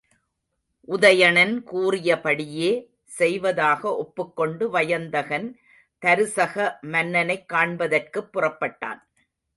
உதயணன் கூறியபடியே செய்வதாக ஒப்புக்கொண்டு வயந்தகன், தருசக மன்னனைக் காண்பதற்குப் புறப்பட்டான்.